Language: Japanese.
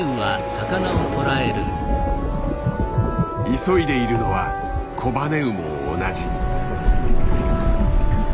急いでいるのはコバネウも同じ。